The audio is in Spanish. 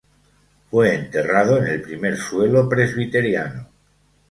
Fue enterrado en el "Primer Suelo Presbiteriano".